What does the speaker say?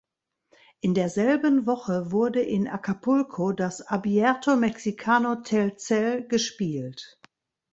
In derselben Woche wurde in Acapulco das Abierto Mexicano Telcel gespielt.